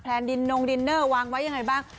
แพลนดินโน้งดินเนอร์วางไว้อย่างไรบ้าง